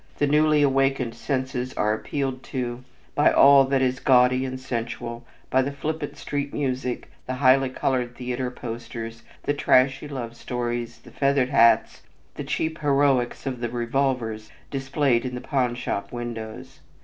The newly awakened senses are appealed to by all that is gaudy and sensual, by the flippant street music, the highly colored theater posters, the trashy love stories, the feathered hats, the cheap heroics of the revolvers displayed in the pawn shop windows.